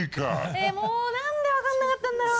えっもうなんでわかんなかったんだろう。